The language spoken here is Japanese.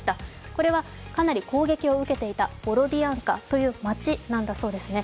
これはかなり攻撃を受けていたボロディアンカという街なんだそうですね。